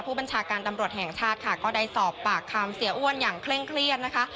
ผู้บัญชาการตำรวจแห่งชาติค่ะก็ได้สอบปากคำเสียอ้วนอย่างเคร่งเครียดนะคะ